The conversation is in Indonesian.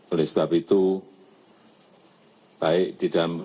oleh sebab itu baik di dalam